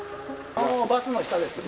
あのバスの下です。